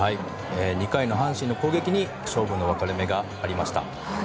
２回の阪神の攻撃に勝負の分かれ目がありました。